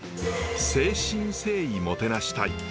誠心誠意もてなしたい。